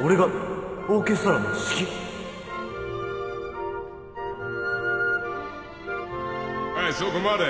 俺がオーケストラはいそこまで。